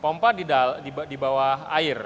pompa di bawah air